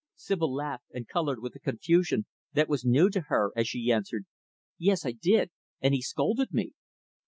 Sibyl laughed and colored with a confusion that was new to her, as she answered, "Yes, I did and he scolded me."